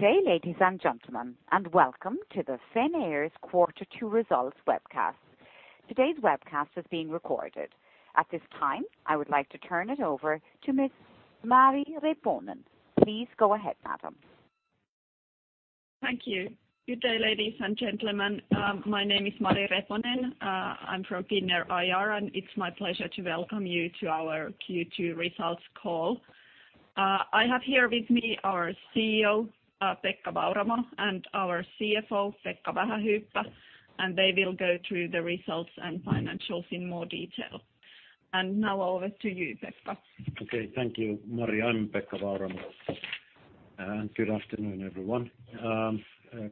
Good day, ladies and gentlemen. Welcome to the Finnair's Quarter Two Results webcast. Today's webcast is being recorded. At this time, I would like to turn it over to Ms. Mari Reponen. Please go ahead, madam. Thank you. Good day, ladies and gentlemen. My name is Mari Reponen. I'm from Finnair IR, it's my pleasure to welcome you to our Q2 results call. I have here with me our CEO, Pekka Vauramo, and our CFO, Pekka Vähähyyppä, they will go through the results and financials in more detail. Now over to you, Pekka. Okay. Thank you, Mari. I'm Pekka Vauramo. Good afternoon, everyone.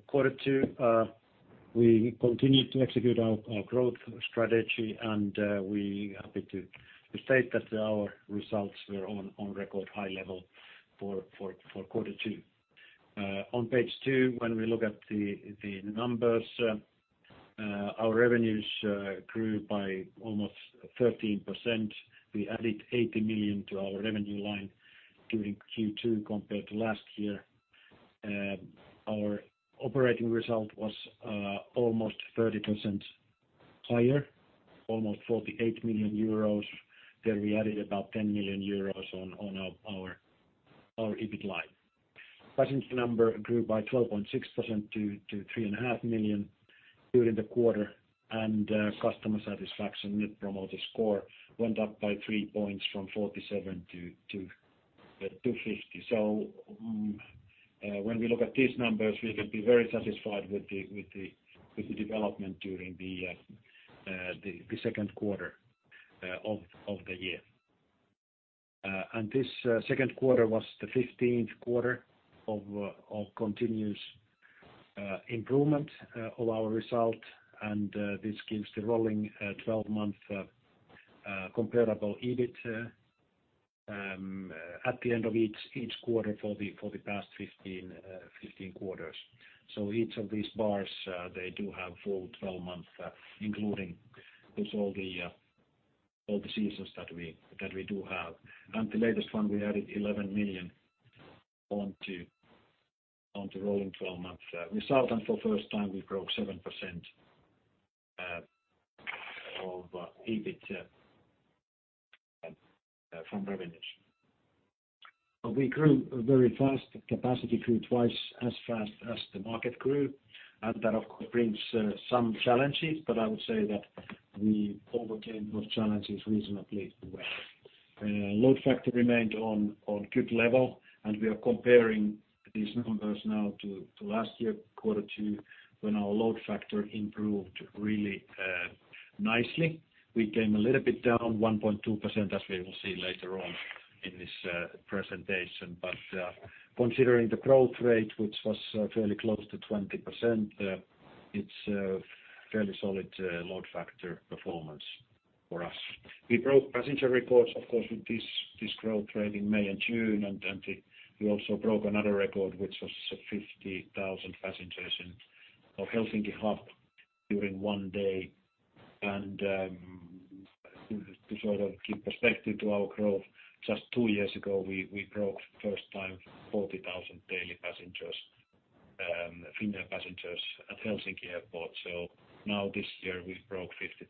Quarter two, we continued to execute our growth strategy, we are happy to state that our results were on record-high level for quarter two. On page two, when we look at the numbers, our revenues grew by almost 13%. We added 80 million to our revenue line during Q2 compared to last year. Our operating result was almost 30% higher, almost 48 million euros. We added about 10 million euros on our EBIT line. Passenger number grew by 12.6% to three and a half million during the quarter, and customer satisfaction Net Promoter Score went up by three points from 47 to 50. When we look at these numbers, we can be very satisfied with the development during the second quarter of the year. This second quarter was the 15th quarter of continuous improvement of our result, this gives the rolling 12-month comparable EBIT at the end of each quarter for the past 15 quarters. Each of these bars they do have full 12 months including all the seasons that we do have. The latest one, we added EUR 11 million onto rolling 12 months result, for the first time we broke 7% of EBIT from revenues. We grew very fast. Capacity grew twice as fast as the market grew, that of course brings some challenges, I would say that we overcame those challenges reasonably well. Load factor remained on good level, we are comparing these numbers now to last year quarter two when our load factor improved really nicely. We came a little bit down 1.2% as we will see later on in this presentation. Considering the growth rate, which was fairly close to 20%, it's a fairly solid load factor performance for us. We broke passenger records, of course, with this growth rate in May and June, and we also broke another record, which was 50,000 passengers in our Helsinki hub during one day. To sort of keep perspective to our growth, just two years ago, we broke first time 40,000 daily passengers, Finnair passengers at Helsinki Airport. Now this year we broke 50,000.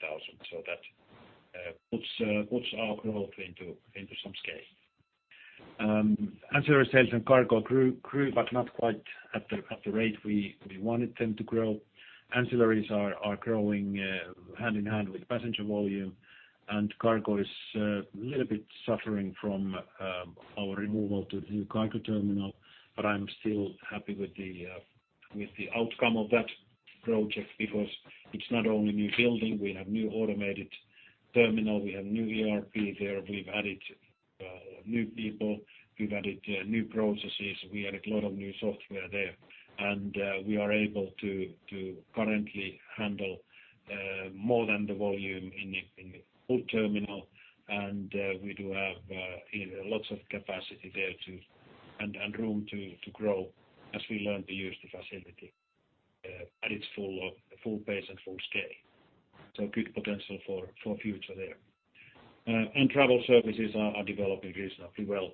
That puts our growth into some scale. Ancillary sales and cargo grew not quite at the rate we wanted them to grow. Ancillaries are growing hand in hand with passenger volume, and cargo is a little bit suffering from our removal to the new cargo terminal, I'm still happy with the outcome of that project because it's not only new building. We have new automated terminal. We have new ERP there. We've added new people. We've added new processes. We added a lot of new software there, we are able to currently handle more than the volume in the old terminal, we do have lots of capacity there and room to grow as we learn to use the facility at its full pace and full scale. Good potential for future there. Travel services are developing reasonably well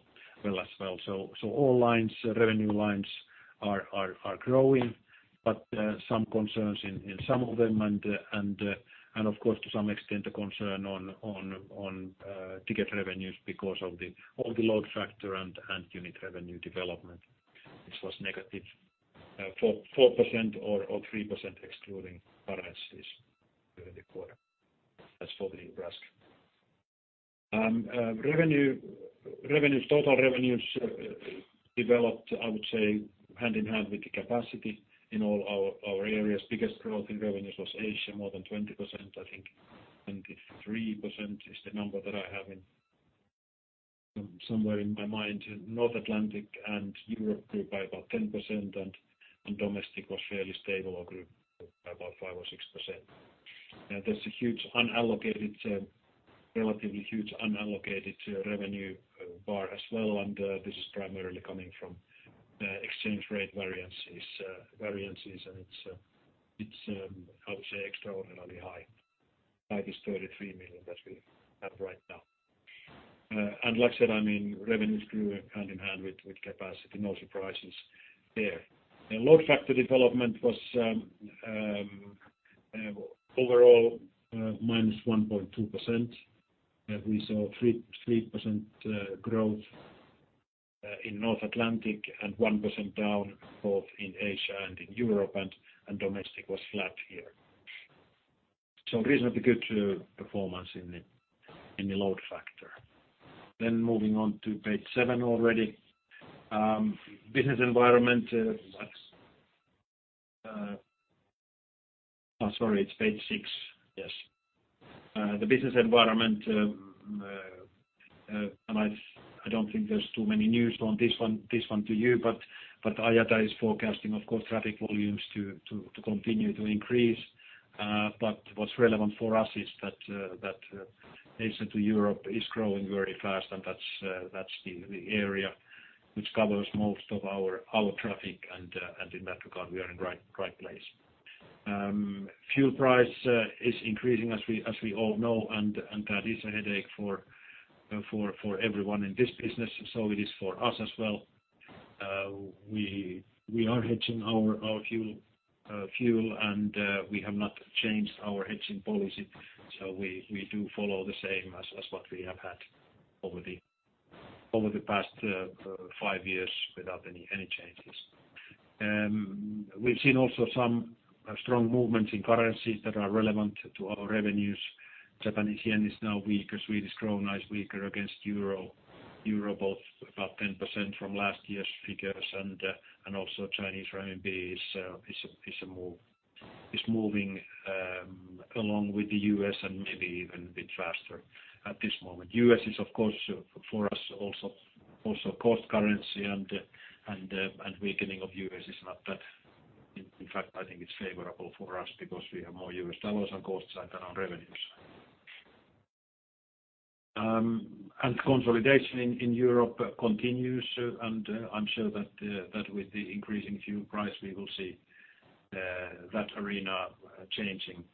as well. All lines, revenue lines are growing, some concerns in some of them and, of course, to some extent, a concern on ticket revenues because of the load factor and unit revenue development, which was negative 4% or 3% excluding currencies during the quarter. That's for the revenue basket. Total revenues developed, I would say, hand in hand with the capacity in all our areas. Biggest growth in revenues was Asia, more than 20%, I think. 23% is the number that I have somewhere in my mind. North Atlantic and Europe grew by about 10%, domestic was fairly stable or grew by about 5% or 6%. There's a relatively huge unallocated revenue bar as well, this is primarily coming from exchange rate variances, it's, I would say, extraordinarily high. That is 33 million that we have right now. Like I said, revenues grew hand in hand with capacity, no surprises there. Load factor development was overall minus 1.2%, we saw 3% growth in North Atlantic and 1% down both in Asia and in Europe, domestic was flat here. Reasonably good performance in the load factor. Moving on to page seven already. Business environment. Sorry, it's page six. Yes. The business environment, I don't think there's too many news on this one to you, IATA is forecasting, of course, traffic volumes to continue to increase. What's relevant for us is that Asia to Europe is growing very fast, that's the area which covers most of our traffic, in that regard, we are in right place. Fuel price is increasing as we all know, that is a headache for everyone in this business. It is for us as well. We are hedging our fuel, we have not changed our hedging policy. We do follow the same as what we have had over the past five years without any changes. We've seen also some strong movements in currencies that are relevant to our revenues. Japanese yen is now weak as Swedish krona is weaker against euro. EUR both about 10% from last year's figures, also Chinese renminbi is moving along with the U.S. and maybe even a bit faster at this moment. U.S. is, of course, for us also cost currency and weakening of U.S. is not bad. In fact, I think it's favorable for us because we have more US dollars on cost side than our revenues. Consolidation in Europe continues, I'm sure that with the increasing fuel price, we will see that arena changing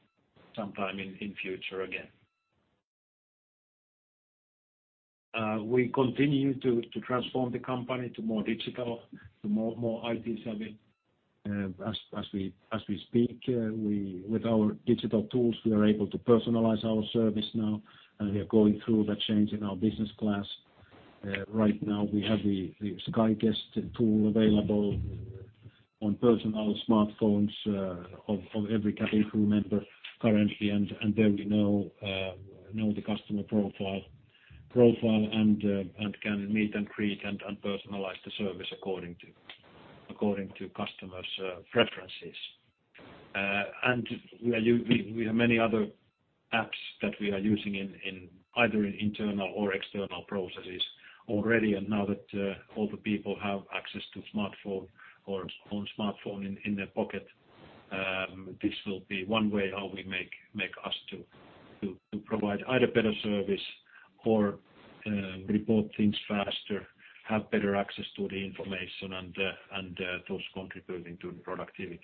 sometime in future again. We continue to transform the company to more digital, to more IT savvy. As we speak, with our digital tools, we are able to personalize our service now, we are going through that change in our business class. Right now we have the Sky Guest tool available on personal smartphones of every cabin crew member currently, there we know the customer profile and can meet and greet and personalize the service according to customers' preferences. We have many other apps that we are using in either in internal or external processes already, now that all the people have access to smartphone or own smartphone in their pocket this will be one way how we make us to provide either better service or report things faster, have better access to the information those contributing to productivity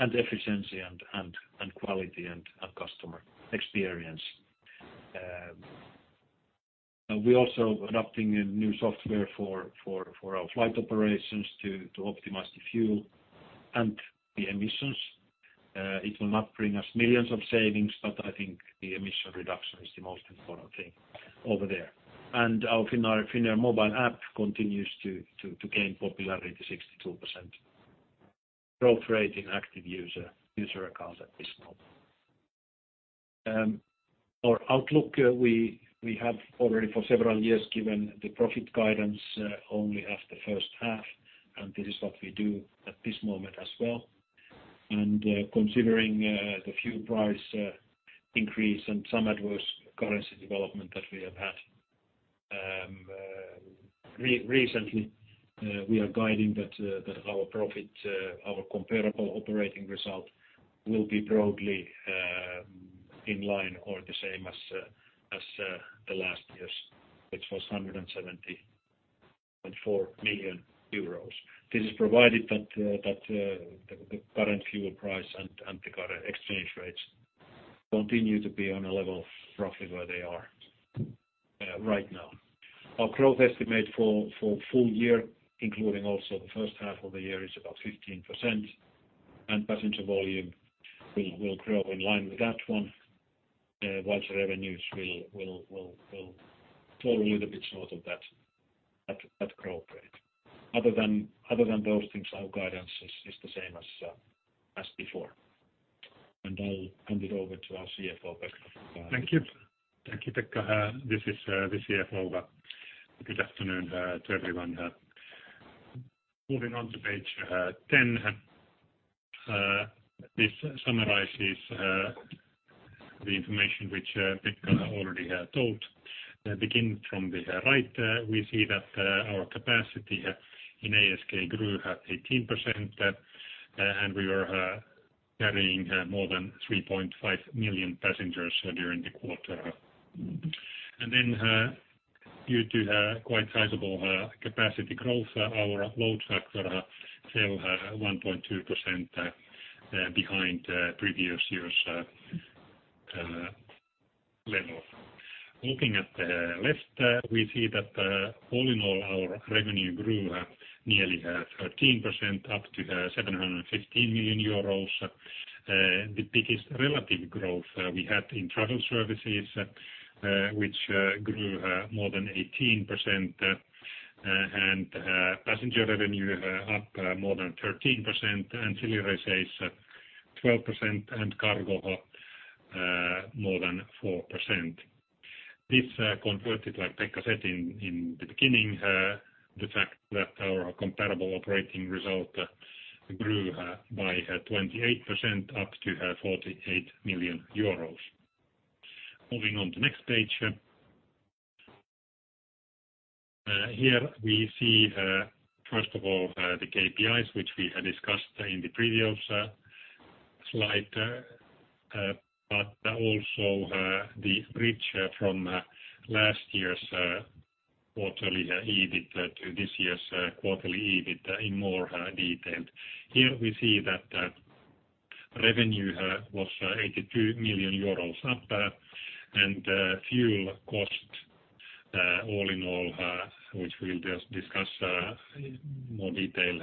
and efficiency and quality and customer experience. We are also adopting a new software for our flight operations to optimize the fuel and the emissions. It will not bring us millions of savings, but I think the emission reduction is the most important thing over there. Our Finnair app continues to gain popularity to 62% growth rate in active user accounts at this moment. Our outlook, we have already for several years given the profit guidance only after first half, this is what we do at this moment as well. Considering the fuel price increase and some adverse currency development that we have had recently, we are guiding that our profit, our comparable operating result will be broadly in line or the same as the last year's, which was 170.4 million euros. This is provided that the current fuel price and the current exchange rates continue to be on a level roughly where they are right now. Our growth estimate for full year, including also the first half of the year, is about 15%, passenger volume will grow in line with that one, whilst revenues will fall a little bit short of that growth rate. Other than those things, our guidance is the same as before. I'll hand it over to our CFO, Pekka. Thank you. Thank you, Pekka. This is the CFO. Good afternoon to everyone. Moving on to page 10. This summarizes the information which Pekka already told. Begin from the right. We see that our capacity in ASK grew 18%, and we were carrying more than 3.5 million passengers during the quarter. Then due to quite sizable capacity growth, our load factor fell 1.2% behind previous year's level. Looking at the left, we see that all in all, our revenue grew nearly 13% up to 715 million euros. The biggest relative growth we had in travel services, which grew more than 18%. Passenger revenue up more than 13%, ancillary services 12%, and cargo more than 4%. This converted, like Pekka said in the beginning, the fact that our comparable operating result grew by 28% up to 48 million euros. Moving on to next page. Here we see, first of all, the KPIs, which we discussed in the previous slide, but also the bridge from last year's quarterly EBIT to this year's quarterly EBIT in more detail. Here we see that revenue was 82 million euros up, fuel cost all in all, which we'll just discuss in more detail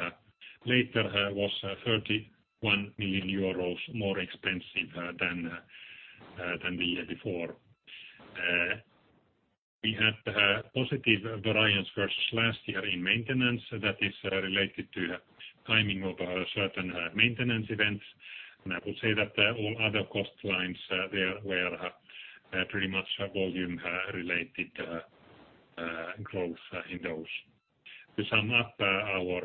later, was 31 million euros more expensive than the year before. We had positive variance versus last year in maintenance that is related to timing of certain maintenance events. I would say that all other cost lines there were pretty much volume-related growth in those. To sum up, our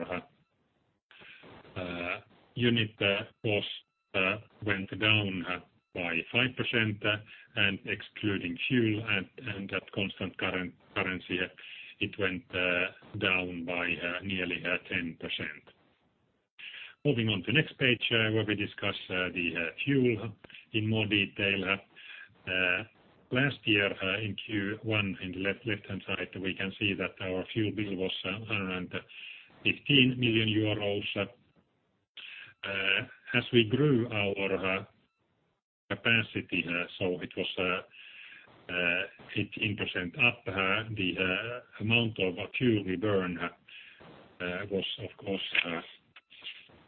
unit cost went down by 5%, and excluding fuel at constant currency, it went down by nearly 10%. Moving on to next page, where we discuss the fuel in more detail. Last year, in Q1 in the left-hand side, we can see that our fuel bill was 115 million euros. As we grew our capacity, so it was 18% up, the amount of fuel we burn was of course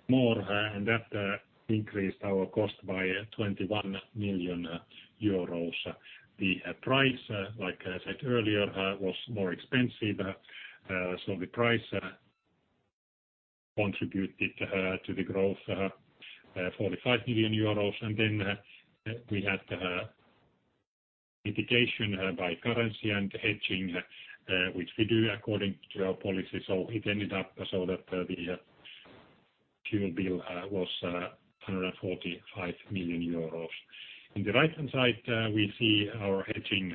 more, and that increased our cost by 21 million euros. The price, like I said earlier, was more expensive. The price contributed to the growth, 45 million euros. Then we had mitigation by currency and hedging, which we do according to our policy. It ended up so that the fuel bill was 145 million euros. In the right-hand side, we see our hedging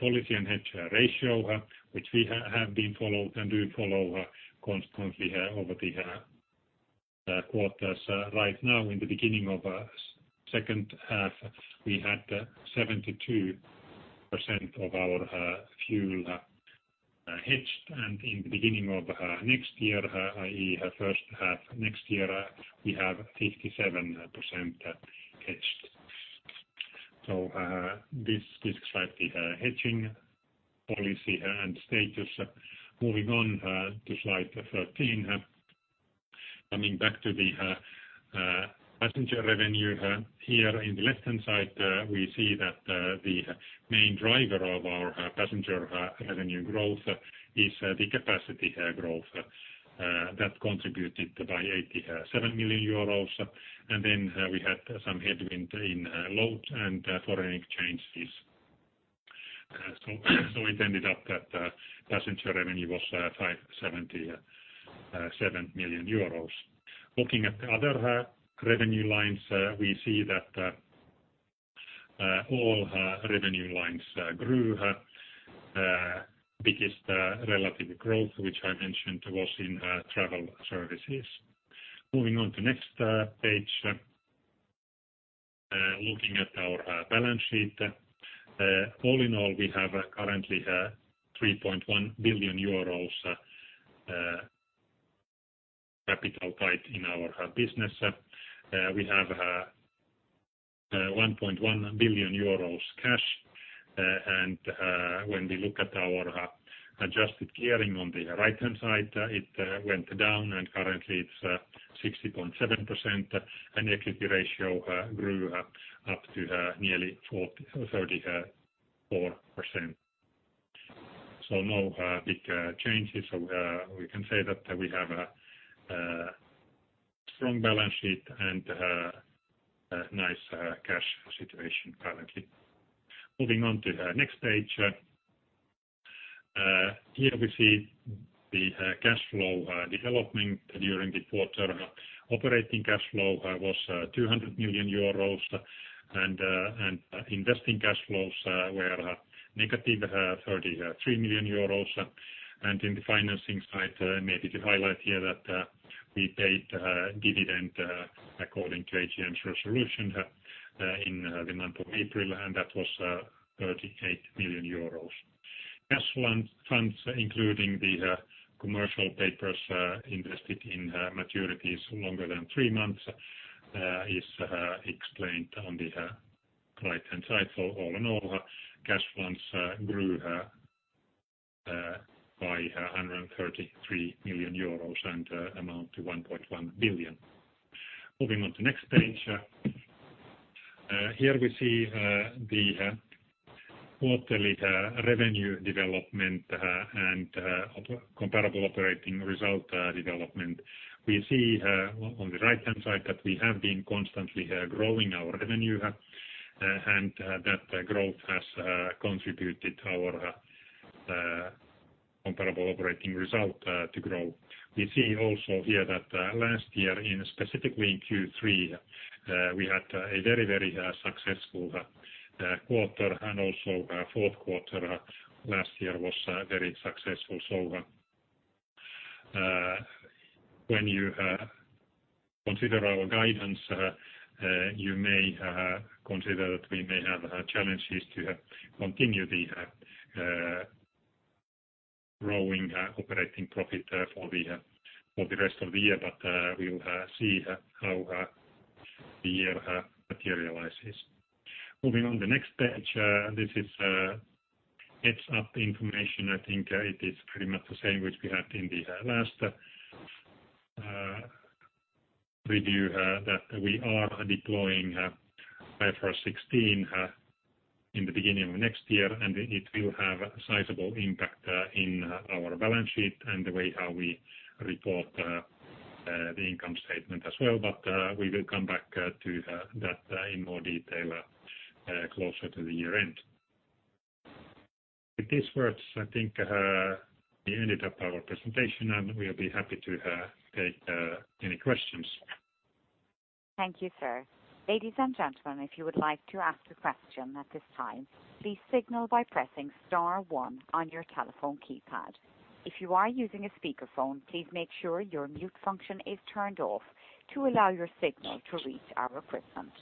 policy and hedge ratio, which we have been followed and do follow constantly over the quarters. Right now in the beginning of second half, we had 72% of our fuel hedged. In the beginning of next year, i.e., first half next year, we have 57% hedged. This describes the hedging policy and status. Moving on to slide 13. Coming back to the passenger revenue here in the left-hand side, we see that the main driver of our passenger revenue growth is the capacity growth that contributed by 87 million euros, then we had some headwind in load and foreign exchange fees. It ended up that passenger revenue was 577 million euros. Looking at the other revenue lines, we see that all revenue lines grew. Biggest relative growth, which I mentioned, was in travel services. Moving on to next page. Looking at our balance sheet. All in all, we have currently 3.1 billion euros capital tied in our business. We have 1.1 billion euros cash. When we look at our adjusted gearing on the right-hand side, it went down, and currently it is 60.7%. Equity ratio grew up to nearly 34%. No big changes. We can say that we have a strong balance sheet and a nice cash situation currently. Moving on to next page. Here we see the cash flow development during the quarter. Operating cash flow was 200 million euros, and investing cash flows were negative 33 million euros. In the financing side, maybe to highlight here that we paid dividend according to AGM's resolution in the month of April, and that was 38 million euros. Cash funds, including the commercial papers invested in maturities longer than three months, is explained on the right-hand side. All in all, cash funds grew by 133 million euros and amount to 1.1 billion. Moving on to next page. Here we see the quarterly revenue development and comparable operating result development. We see on the right-hand side that we have been constantly growing our revenue and that growth has contributed our comparable operating result to grow. We see also here that last year, specifically in Q3, we had a very successful quarter, and also our fourth quarter last year was very successful. When you consider our guidance, you may consider that we may have challenges to continue the growing operating profit for the rest of the year. We will see how the year materializes. Moving on to next page, this is heads up information. I think it is pretty much the same which we had in the last review, that we are deploying IFRS 16 in the beginning of next year, and it will have a sizable impact in our balance sheet and the way how we report the income statement as well. We will come back to that in more detail closer to the year-end. With these words, I think we ended up our presentation, and we will be happy to take any questions. Thank you, sir. Ladies and gentlemen, if you would like to ask a question at this time, please signal by pressing star one on your telephone keypad. If you are using a speakerphone, please make sure your mute function is turned off to allow your signal to reach our represent.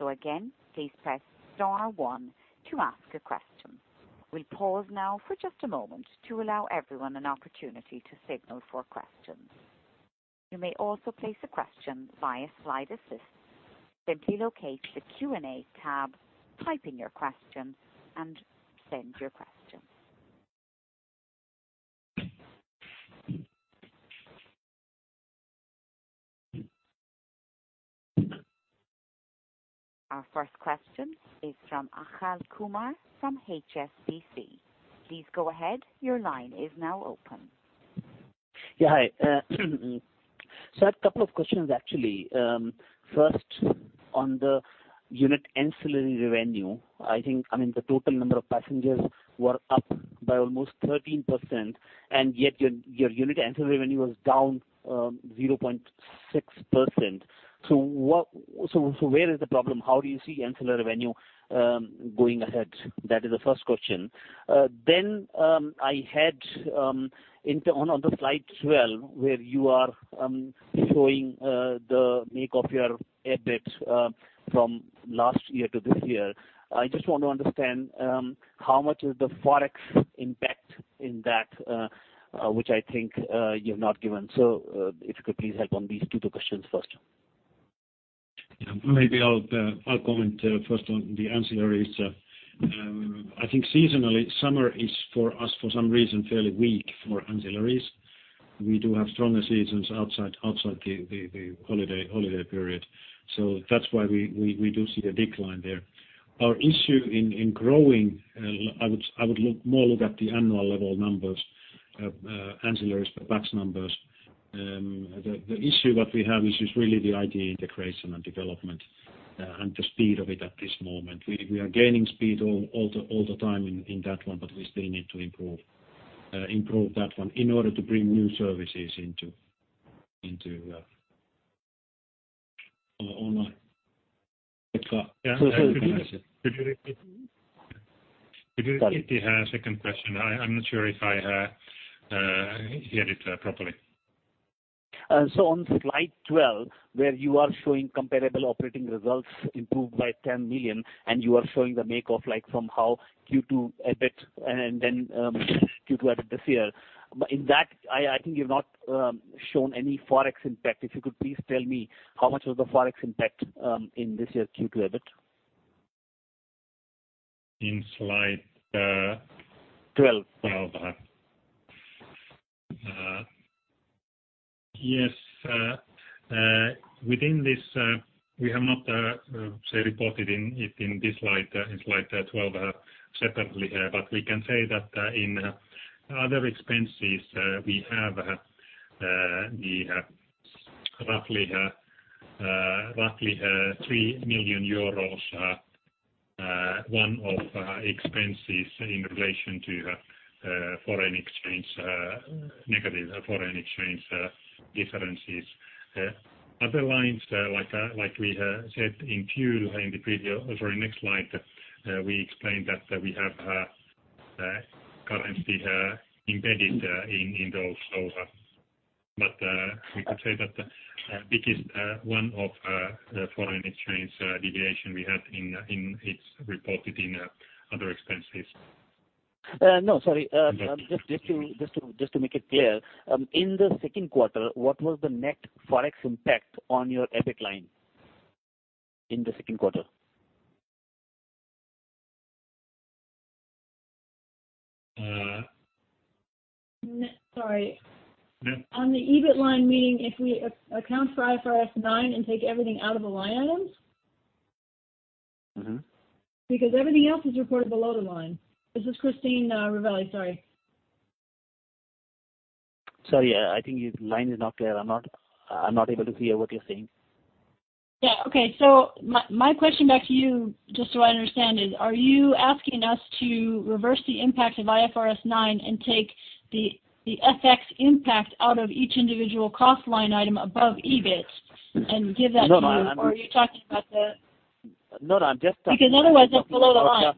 Again, please press star one to ask a question. We will pause now for just a moment to allow everyone an opportunity to signal for questions. You may also place a question via Slide Assist. Simply locate the Q&A tab, type in your question, and send your question. Our first question is from Achal Kumar from HSBC. Please go ahead. Your line is now open. I have a couple of questions, actually. First, on the unit ancillary revenue, I think the total number of passengers were up by almost 13%, and yet your unit ancillary revenue was down 0.6%. Where is the problem? How do you see ancillary revenue going ahead? That is the first question. I had on the slide 12, where you are showing the make of your EBIT from last year to this year. I just want to understand, how much is the Forex impact in that, which I think you've not given? If you could please help on these two questions first. Yeah. Maybe I'll comment first on the ancillaries. I think seasonally, summer is for us, for some reason, fairly weak for ancillaries. We do have stronger seasons outside the holiday period. That's why we do see a decline there. Our issue in growing, I would more look at the annual level numbers, ancillaries, PAX numbers. The issue that we have is just really the IT integration and development and the speed of it at this moment. We are gaining speed all the time in that one, but we still need to improve that one in order to bring new services into our online. Could you repeat the second question? I'm not sure if I heard it properly. On slide 12, where you are showing comparable operating results improved by 10 million, and you are showing the make of how Q2 EBIT, and then Q2 EBIT this year. In that, I think you've not shown any Forex impact. If you could please tell me, how much was the Forex impact in this year's Q2 EBIT? In slide 12. 12. Yes. Within this, we have not reported it in this slide, in slide 12 separately. We can say that in other expenses, we have the roughly EUR 3 million, one-off expenses in relation to foreign exchange negative foreign exchange differences. Other lines, like we said in fuel in the next slide, we explained that we have currency embedded in those. We could say that this is one-off foreign exchange deviation we have, it is reported in other expenses. No, sorry. Just to make it clear. In the second quarter, what was the net Forex impact on your EBIT line? In the second quarter. Sorry. Yeah. On the EBIT line, meaning if we account for IFRS 9 and take everything out of the line items? Everything else is reported below the line. This is Christine Rovelli, sorry. Sorry, I think your line is not clear. I'm not able to hear what you're saying. Okay. My question back to you, just so I understand, is are you asking us to reverse the impact of IFRS 9 and take the FX impact out of each individual cost line item above EBIT and give that to you? No, I'm- Are you talking about? No, I'm just. Otherwise that's below the line.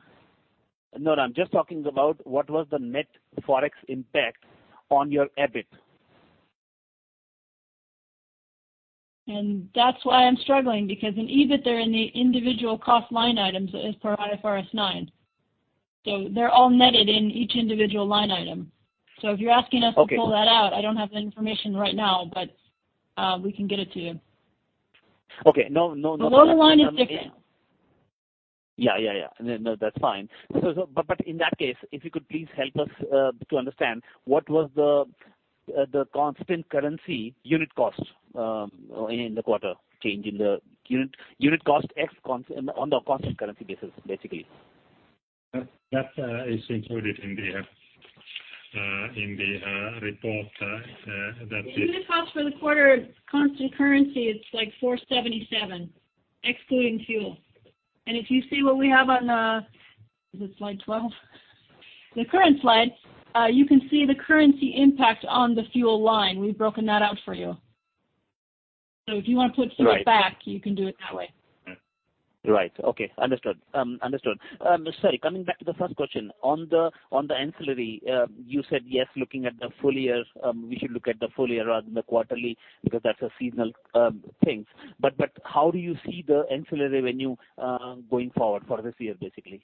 No, I'm just talking about what was the net Forex impact on your EBIT. That's why I'm struggling, because in EBIT, they're in the individual cost line items as per IFRS 9. They're all netted in each individual line item. If you're asking us to pull that out, I don't have the information right now, but we can get it to you. Okay. No, no. Below the line is different. Yeah. No, that's fine. In that case, if you could please help us to understand what was the constant currency unit cost in the quarter, change in the unit cost on the constant currency basis, basically. That is included in the report. The unit cost for the quarter at constant currency, it's like 477, excluding fuel. If you see what we have on Is it slide 12? The current slide, you can see the currency impact on the fuel line. We've broken that out for you. If you want to put fuel back- Right you can do it that way. Right. Okay. Understood. Sorry, coming back to the first question. On the ancillary, you said yes, looking at the full year, we should look at the full year rather than the quarterly, because that's a seasonal thing. How do you see the ancillary revenue going forward for this year, basically?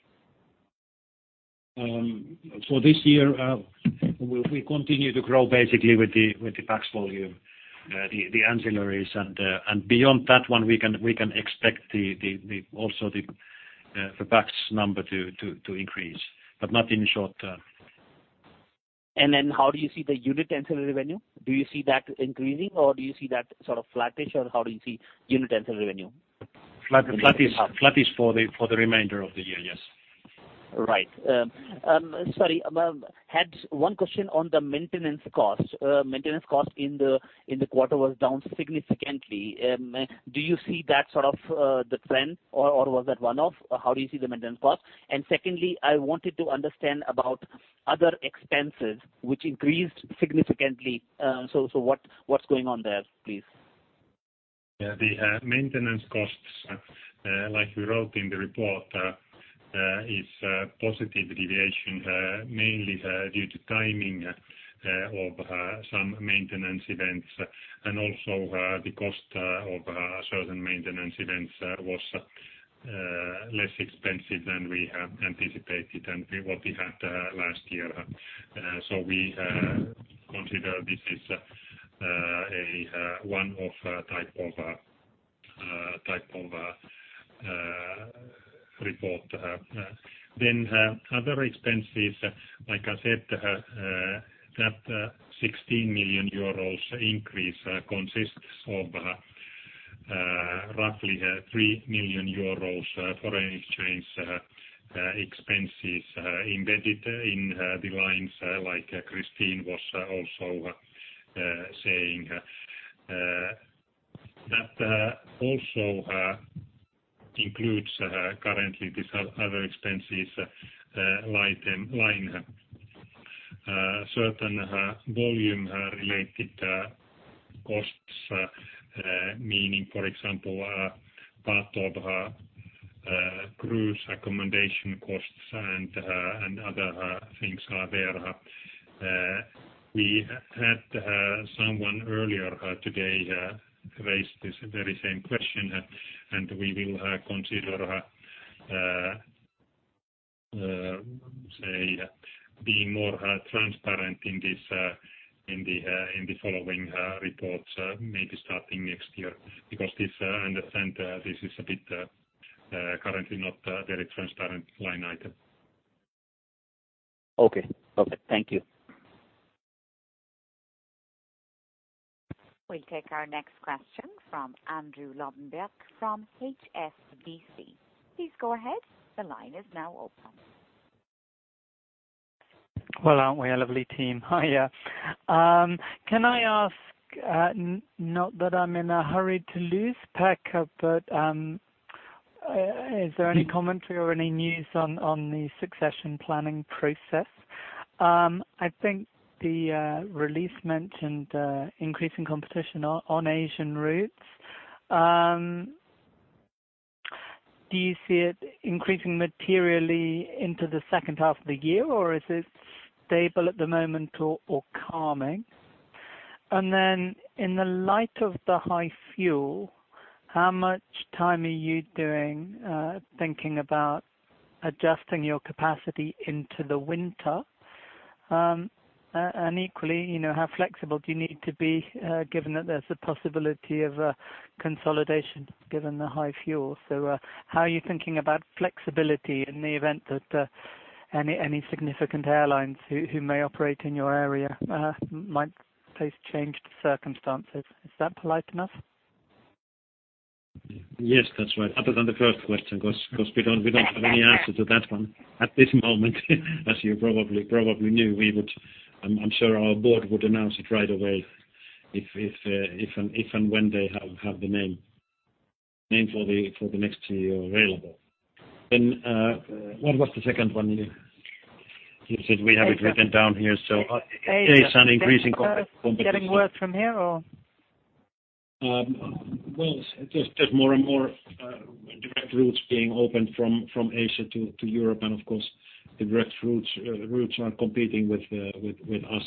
This year, we continue to grow basically with the PAX volume, the ancillaries, and beyond that one, we can expect also the PAX number to increase, but not in short term. How do you see the unit ancillary revenue? Do you see that increasing, or do you see that sort of flattish, or how do you see unit ancillary revenue? Flattish for the remainder of the year, yes. Right. Sorry, I had one question on the maintenance cost. Maintenance cost in the quarter was down significantly. Do you see that sort of the trend, or was that one-off? How do you see the maintenance cost? Secondly, I wanted to understand about other expenses which increased significantly. What's going on there, please? Yeah. The maintenance costs, like we wrote in the report, is a positive deviation mainly due to timing of some maintenance events and also, the cost of certain maintenance events was less expensive than we anticipated and what we had last year. So we consider this is a one-off type of report. Other expenses, like I said, that 16 million euros increase consists of roughly 3 million euros foreign exchange expenses embedded in the lines, like Christine was also saying. That also includes currently this other expenses line. Certain volume-related costs, meaning, for example, part of cruise accommodation costs and other things are there. We had someone earlier today raise this very same question, and we will consider, say, being more transparent in the following reports, maybe starting next year. Because I understand this is a bit currently not very transparent line item. Okay. Thank you. We'll take our next question from Andrew Lobbenberg from HSBC. Please go ahead. The line is now open. Aren't we a lovely team? Hi. Can I ask, not that I'm in a hurry to lose, Pekka, but is there any commentary or any news on the succession planning process? I think the release mentioned increasing competition on Asian routes. Do you see it increasing materially into the second half of the year, or is it stable at the moment or calming? And in the light of the high fuel, how much time are you doing, thinking about adjusting your capacity into the winter? And equally, how flexible do you need to be given that there's a possibility of a consolidation given the high fuel? So how are you thinking about flexibility in the event that any significant airlines who may operate in your area might face changed circumstances? Is that polite enough? Yes, that's right. Other than the first question, because we do not have any answer to that one at this moment. As you probably knew, I am sure our board would announce it right away if and when they have the name for the next CEO available. What was the second one you said? We have it written down here. Asian increasing competition- Are you getting work from here or? There's more and more direct routes being opened from Asia to Europe, and of course, direct routes are competing with us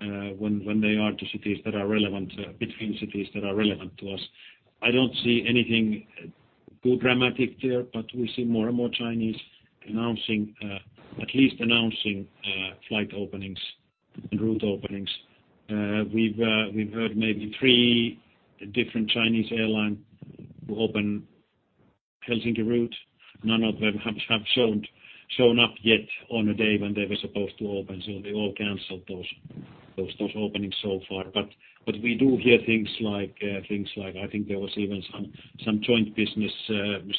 when they are to cities that are relevant, between cities that are relevant to us. I do not see anything too dramatic there, but we see more and more Chinese at least announcing flight openings and route openings. We have heard maybe 3 different Chinese airline will open Helsinki route. None of them have shown up yet on a day when they were supposed to open, so they all canceled those openings so far. We do hear things like, I think there was even some joint business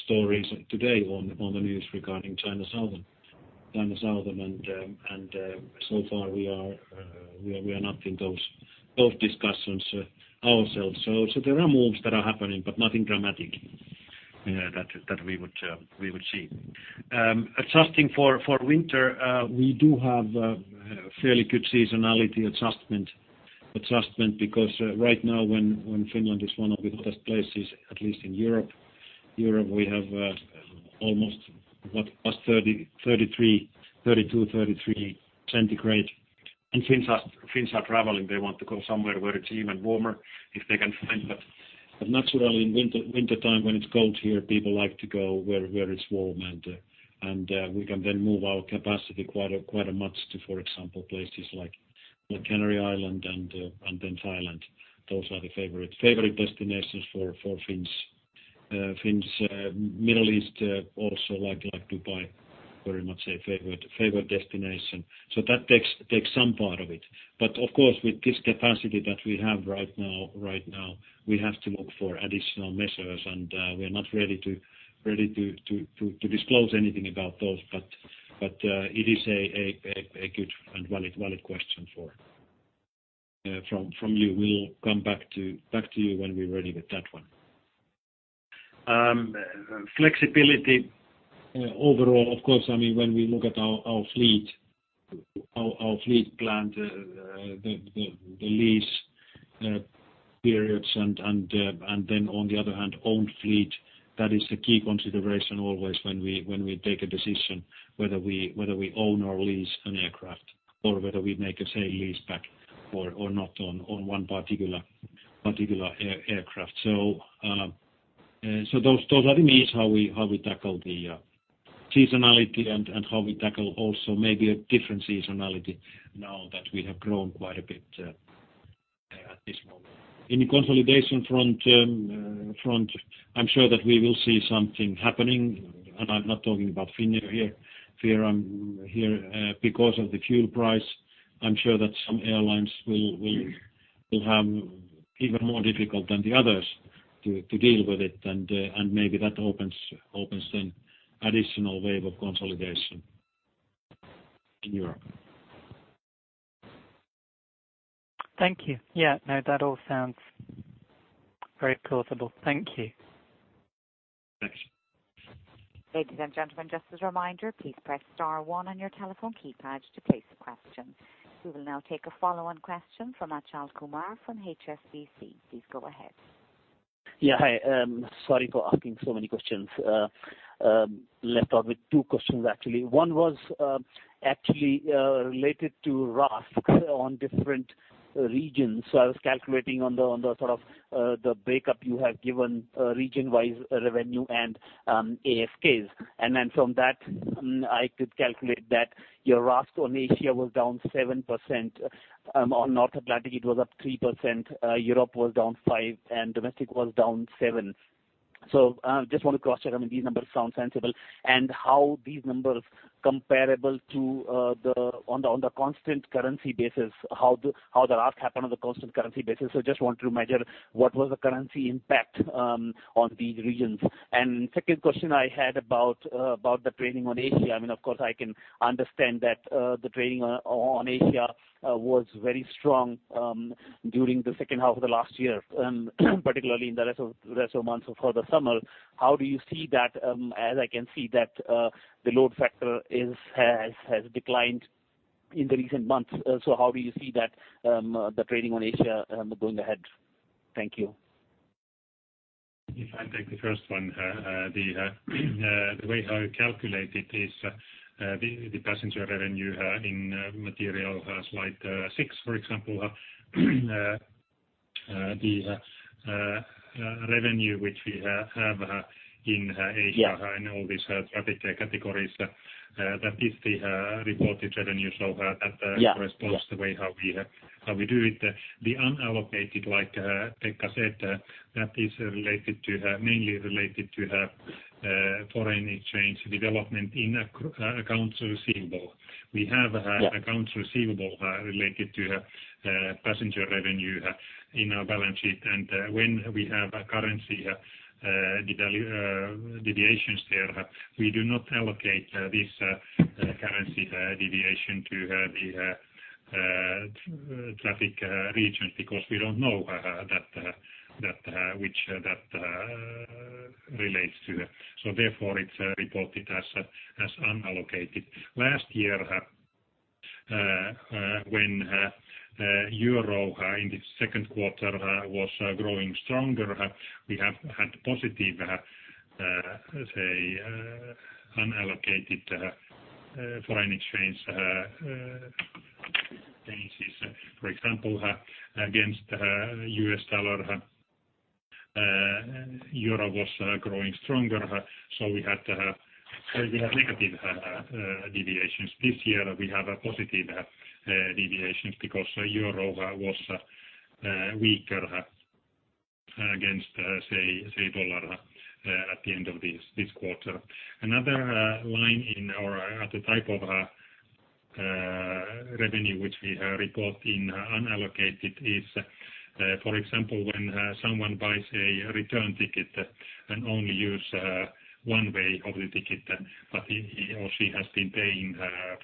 stories today on the news regarding China Southern. So far, we are not in those discussions ourselves. There are moves that are happening, but nothing dramatic that we would see. Adjusting for winter, we do have a fairly good seasonality adjustment because right now, when Finland is one of the hottest places, at least in Europe, we have almost what, plus 32, 33 degrees Celsius. Fins are traveling. They want to go somewhere where it's even warmer if they can find that. Naturally, in wintertime when it's cold here, people like to go where it's warm, and we can then move our capacity quite a much to, for example, places like the Canary Islands and then Thailand. Those are the favorite destinations for Fins. Middle East also like Dubai, very much a favorite destination. That takes some part of it. Of course, with this capacity that we have right now, we have to look for additional measures, and we are not ready to disclose anything about those, but it is a good and valid question from you. We'll come back to you when we're ready with that one. Flexibility overall, of course, when we look at our fleet plan, the lease periods and then on the other hand, owned fleet, that is a key consideration always when we take a decision whether we own or lease an aircraft or whether we make a sale-leaseback or not on one particular aircraft. Those are the means how we tackle the seasonality and how we tackle also maybe a different seasonality now that we have grown quite a bit at this moment. In the consolidation front, I'm sure that we will see something happening, and I'm not talking about Finnair here. Because of the fuel price, I'm sure that some airlines will have even more difficult than the others to deal with it, and maybe that opens an additional wave of consolidation in Europe. Thank you. Yeah, no, that all sounds very plausible. Thank you. Thanks. Ladies and gentlemen, just as a reminder, please press star one on your telephone keypad to place a question. We will now take a follow-on question from Achal Kumar from HSBC. Please go ahead. Yeah. Hi. Sorry for asking so many questions. Left out with two questions, actually. One was actually related to RASK on different regions. I was calculating on the sort of the breakup you have given region-wise revenue and ASKs. And then from that, I could calculate that your RASK on Asia was down 7%. On North Atlantic, it was up 3%. Europe was down 5%, and domestic was down 7%. Just want to cross-check. I mean, these numbers sound sensible and how these numbers comparable to on the constant currency basis, how the RASK happened on the constant currency basis. Just want to measure what was the currency impact on these regions. Second question I had about the trading on Asia, of course, I can understand that the trading on Asia was very strong during the second half of the last year, and particularly in the rest of months for the summer. How do you see that? As I can see that the load factor has declined in the recent months. How do you see the trading on Asia going ahead? Thank you. If I take the first one, the way how you calculate it is the passenger revenue in material slide six, for example, the revenue which we have in Asia Yeah All these traffic categories, that is the reported revenue. That Yeah corresponds the way how we do it. The unallocated, like Tekla said, that is mainly related to foreign exchange development in accounts receivable. We have Yeah accounts receivable related to passenger revenue in our balance sheet. When we have currency deviations there, we do not allocate this currency deviation to the traffic regions, because we don't know which that relates to. Therefore, it is reported as unallocated. Last year when euro in the second quarter was growing stronger, we have had positive, say, unallocated foreign exchange bases. For example, against US dollar, euro was growing stronger, so we had negative deviations. This year, we have positive deviations because euro was weaker against say, dollar at the end of this quarter. Another line the type of revenue which we report in unallocated is, for example, when someone buys a return ticket and only use one way of the ticket, but he or she has been paying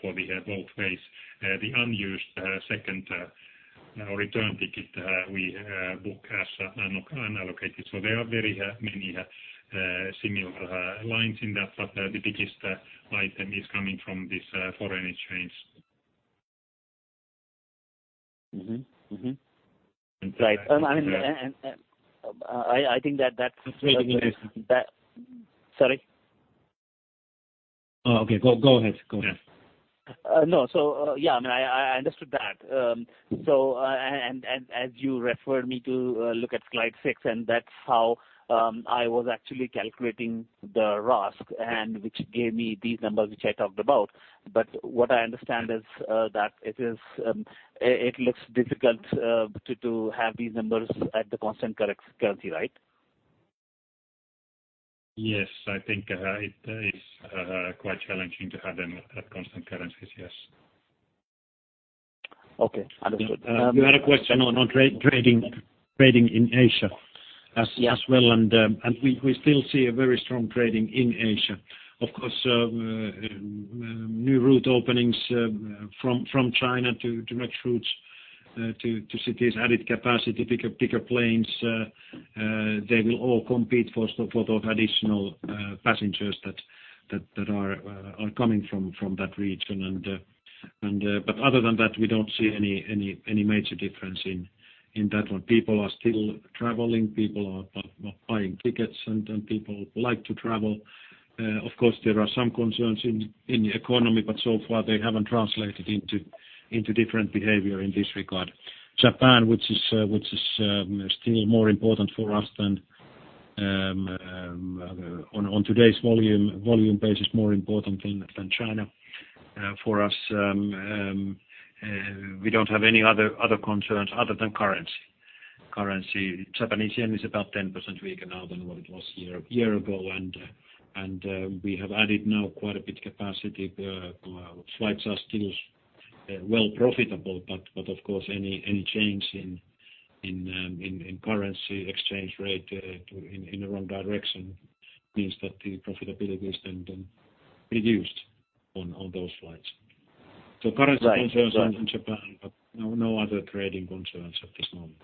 for the both ways. The unused second return ticket we book as unallocated. They are very many similar lines in that, but the biggest item is coming from this foreign exchange. Right. I think Sorry? Okay. Go ahead. Yeah. No. Yeah, I understood that. As you referred me to look at slide six, and that's how I was actually calculating the RASK, and which gave me these numbers which I talked about. What I understand is that it looks difficult to have these numbers at the constant currency, right? Yes. I think it is quite challenging to have them at constant currencies. Yes. Okay. Understood. You had a question on trading in Asia as- Yeah Well, we still see a very strong trading in Asia. Of course, new route openings from China to Helsinki, to cities, added capacity, bigger planes, they will all compete for those additional passengers that are coming from that region. Other than that, we don't see any major difference in that one. People are still traveling, people are buying tickets, and people like to travel. Of course, there are some concerns in the economy, but so far they haven't translated into different behavior in this regard. Japan, which is still more important for us than on today's volume basis, more important than China. For us, we don't have any other concerns other than currency. Japanese yen is about 10% weaker now than what it was a year ago, and we have added now quite a bit capacity. Flights are still well profitable, of course, any change in currency exchange rate in the wrong direction means that the profitability is then reduced on those flights. Currency- Right Concerns in Japan, no other trading concerns at this moment.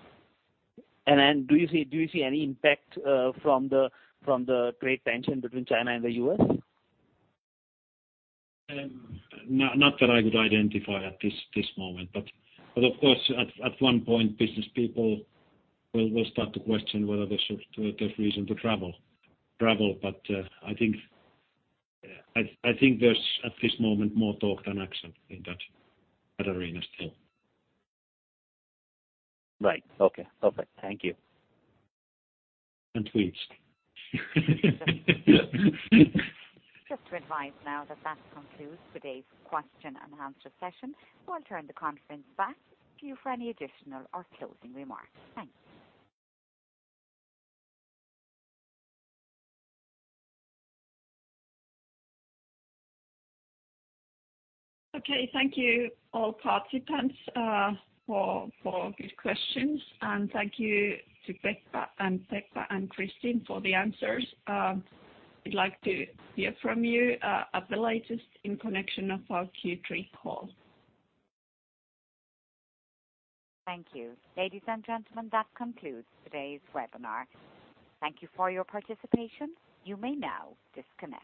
Do you see any impact from the trade tension between China and the U.S.? Not that I could identify at this moment. Of course, at one point, business people will start to question whether there's reason to travel. I think there's, at this moment, more talk than action in that arena still. Right. Okay. Perfect. Thank you. Tweets. Just to advise now that that concludes today's question and answer session. I'll turn the conference back to you for any additional or closing remarks. Thanks. Okay. Thank you all participants for good questions, and thank you to Pekka and Pekka Vauramo and Christine for the answers. We'd like to hear from you at the latest in connection of our Q3 call. Thank you. Ladies and gentlemen, that concludes today's webinar. Thank you for your participation. You may now disconnect.